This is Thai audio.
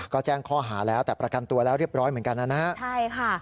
ก็แจ้งข้อหาแล้วแต่ประกันตัวแล้วเรียบร้อยเหมือนกันนะฮะใช่ค่ะ